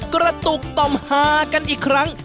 กระตุกต่อมหากันอีกครั้ง